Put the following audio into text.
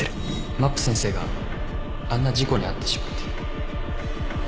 まっぷ先生があんな事故に遭ってしまって